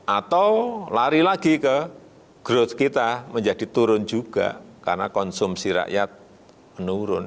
atau lari lagi ke growth kita menjadi turun juga karena konsumsi rakyat menurun